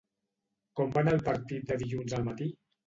Com va anar el partit de dilluns al matí?